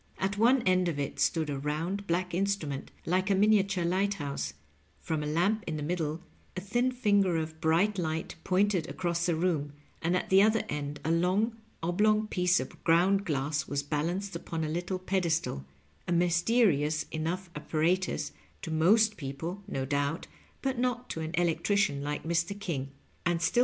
At one end of it stood a round, black instrument like a miniature light house ; from a lamp in the middle a thin finger of bright light pointed across the room, and at the other end a long, oblong piece of ground glass was balanced upon a little pedestal — ^a mysterious enough apparatus to most people, no doubt, but not to an electrician like Mr. King, and still.